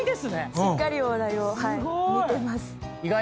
しっかりお笑いを見てます。